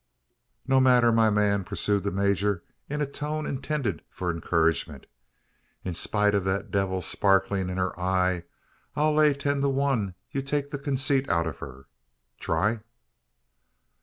"No matter, my man," pursued the major, in a tone intended for encouragement. "In spite of that devil sparkling in her eye, I'll lay ten to one you'll take the conceit out of her. Try!"